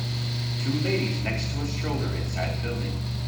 Two ladies next to a stroller inside a building.